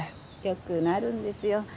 よくなるんですよ。